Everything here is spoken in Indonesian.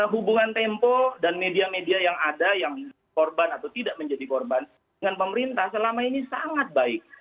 hubungan tempo dan media media yang ada yang korban atau tidak menjadi korban dengan pemerintah selama ini sangat baik